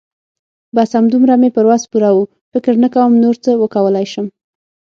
بس همدومره مې پر وس پوره وه. فکر نه کوم نور څه وکولای شم.